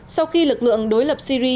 sau khi lực lượng đối lập syri